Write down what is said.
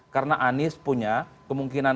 karena anies punya kemungkinan